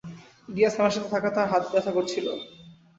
ইলিয়াস, আমার সাথে থাকো তার হাত ব্যথা করছিল।